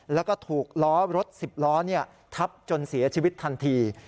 แล้วก็ถูกล้อรถ๑๐ล้อทับจนเสียชีวิตทันที